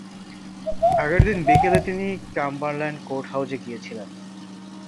আগের দিন বিকেলে তিনি ক্যাম্বারল্যান্ড কোর্ট হাউসে গিয়েছিলেন।